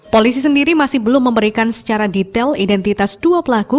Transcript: polisi sendiri masih belum memberikan secara detail identitas dua pelaku